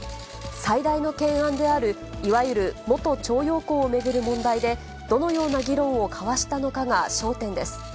最大の懸案であるいわゆる元徴用工を巡る問題で、どのような議論を交わしたのかが焦点です。